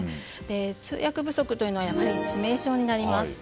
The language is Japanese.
通訳不足というのは致命傷になります。